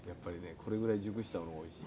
これぐらい熟した方がおいしい。